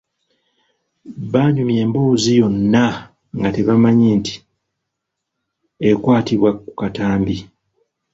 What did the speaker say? Baanyumya emboozi yonna nga tebamanyi nti ekwatibwa ku katambi.